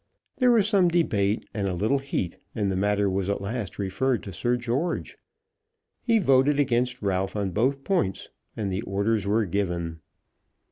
There was some debate and a little heat, and the matter was at last referred to Sir George. He voted against Ralph on both points, and the orders were given.